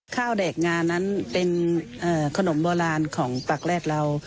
แดกงานั้นเป็นขนมโบราณของปากแรดเรา